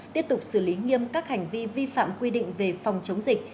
tiếp tục xử lý nghiêm các hành vi vi phạm quy định về phòng chống dịch